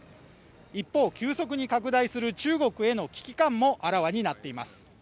一方、急速に拡大する中国への危機感もあらわになっています。